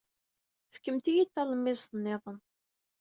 Fkemt-iyi-d talemmiẓt niḍen.